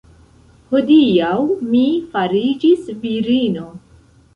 Hodiaŭ mi fariĝis virino!